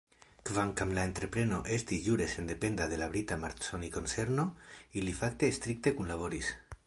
Kvankam la entrepreno estis jure sendependa de la brita Marconi-konserno, ili fakte strikte kunlaboris.